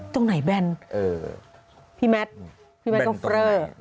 ตรงไหนแบนพี่แมดพี่แมดก็เฟรอ